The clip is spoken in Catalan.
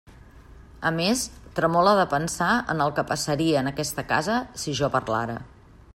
A més, tremole de pensar en el que passaria en aquesta casa si jo parlara.